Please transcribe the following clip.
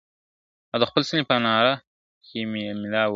او د خپل ستوني په ناره کي مي الله ووینم `